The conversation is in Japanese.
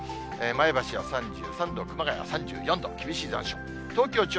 前橋は３３度、熊谷３４度、厳しい残暑。